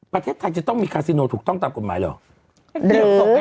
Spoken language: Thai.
ประเทศไทยจะต้องมีคาซิโนถูกต้องตามกฎหมายเหรอ